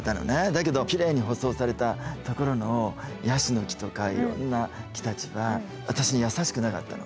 だけどキレイに舗装された所のヤシの木とかいろんな木たちは私に優しくなかったの。